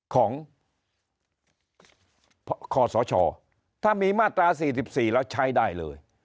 ขอสชถ้ามีมาตรา๔๔แล้วใช้ได้เลย